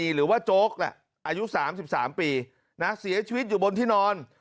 หรือว่าโจ๊กน่ะอายุสามสิบสามปีนะเสียชีวิตอยู่บนที่นอน